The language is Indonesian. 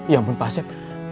ya ampun pak asep